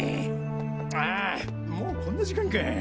あもうこんな時間か。